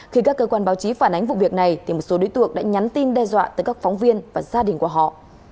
khi các cơ quan báo chí phản ánh vụ việc này thì một số đối tượng đã nhắn tin đe dọa tới các phóng viên và gia đình của họ